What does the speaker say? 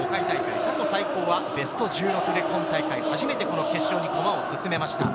過去最高はベスト１６で今大会初めての決勝に駒を進めました。